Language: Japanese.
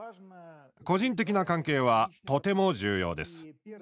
個人的な関係はとても重要です。